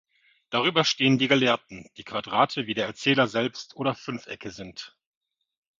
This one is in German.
Darüber stehen die Gelehrten, die Quadrate, wie der Erzähler selbst, oder Fünfecke sind.